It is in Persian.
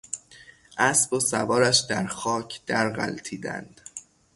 اسب و سوارش در خاک در غلتیدند.